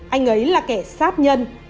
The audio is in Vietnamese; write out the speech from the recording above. anh ấy là kẻ sát nhân